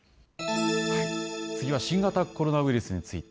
次は新型コロナウイルスについて。